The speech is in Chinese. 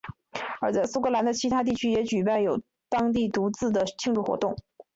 而在苏格兰的其他地区也举办有当地独自的庆祝活动。